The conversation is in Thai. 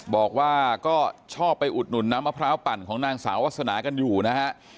บอกว่าก็ชอบไปอุดหนุนน้ำมะพร้าวปั่นของนางสาววาสนากันอยู่นะฮะ